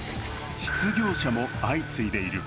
失業者も相次いでいる。